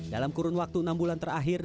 dalam kurun waktu enam bulan terakhir